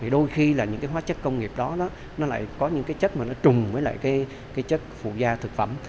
đôi khi là những cái hóa chất công nghiệp đó nó lại có những cái chất mà nó trùng với lại cái chất phụ da thực phẩm